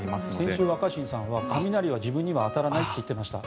先週、若新さんは雷は自分には当たらないと言っていました。